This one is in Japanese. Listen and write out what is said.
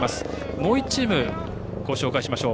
もう１チーム、ご紹介しましょう。